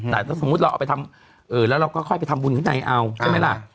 แต่ถ้าสมมุติเราเอาไปทำแล้วเราก็ค่อยไปทำบุญข้างในเอาใช่ไหมล่ะ